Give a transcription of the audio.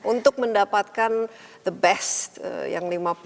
untuk mendapatkan the best yang lima puluh ini seberapa